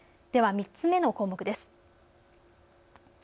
３つ目の項目です。